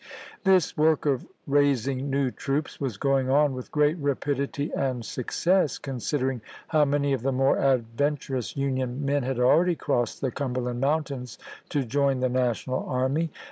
This work of raising new troops was going on with great rapidity and success, considering how many of the more adventurous Union men had already crossed the Cumberland Mountains to join the National army.